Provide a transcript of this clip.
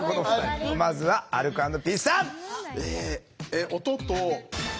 まずはアルコ＆ピースさん！